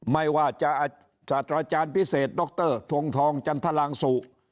ไม่ว่าจะศาสตราจารย์พิเศษดรทงทองจันทรางสุ